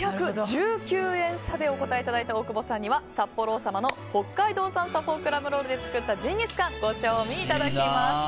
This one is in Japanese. ２１９円差でお答えいただいた大久保さんには札幌王様の北海道産サフォークラムロールで作ったジンギスカンをご賞味いただきます。